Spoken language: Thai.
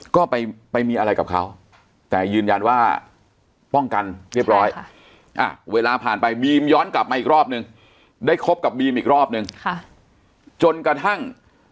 ก็ไปมีอะไรกับเขาแต่ยืนยันว่าป้องกันเรียบร้อยเวลาผ่านไปบีมย้อนกลับมาอีกรอบนึงได้คบกับบีมอีกรอบนึงจนกระทั่ง